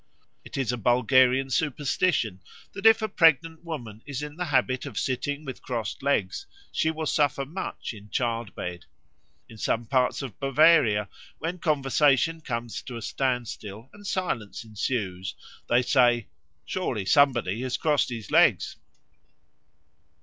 It is a Bulgarian superstition that if a pregnant woman is in the habit of sitting with crossed legs, she will suffer much in childbed. In some parts of Bavaria, when conversation comes to a standstill and silence ensues, they say, "Surely somebody has crossed his legs."